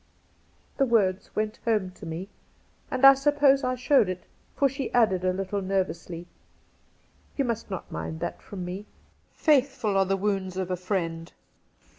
The words went home to me, and I suppose I showed it, for she added a Httle nervously :' You must not mind that from me. " Faithful are the wounds of a friend."